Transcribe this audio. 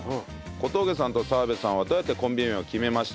「小峠さんと澤部さんはどうやってコンビ名を決めましたか？」